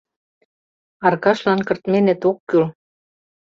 Аркашлан кыртменыт ок кӱл.